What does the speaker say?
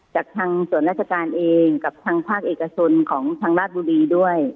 จากทางส่วนราชการเองกับทางภาคเอกชนของทางราชบุรีด้วย